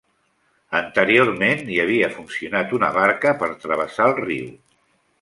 Anteriorment hi havia funcionat una barca per travessar el riu.